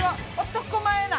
男前やな。